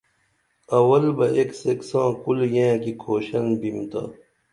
اول بہ ایک سیک ساں کُل ییں کی کُھوشن بیمہ تا